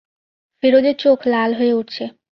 ফিরোজের চোখ লাল হয়ে উঠছে।